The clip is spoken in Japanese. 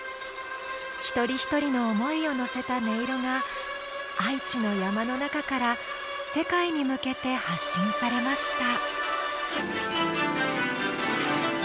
一人一人の思いを乗せた音色が愛知の山の中から世界に向けて発信されました